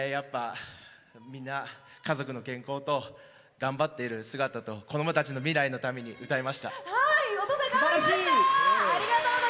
みんな家族の健康と頑張っている姿と子供たちの未来のために歌いました。